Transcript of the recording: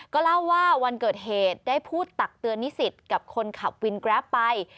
ก็เล่าว่าวันเกิดเหตุได้พูดตักเตือนนิสิตกับคนขับวินแกรปไป